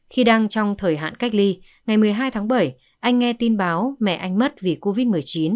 khi đang trong thời hạn cách ly ngày một mươi hai tháng bảy anh nghe tin báo mẹ anh mất vì covid một mươi chín